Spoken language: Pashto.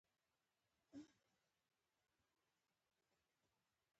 دوی د ملي امنیتي ځواکونو ملاتړ وکړ